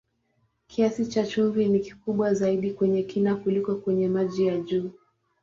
Kiasi cha chumvi ni kikubwa zaidi kwenye kina kuliko kwenye maji ya juu.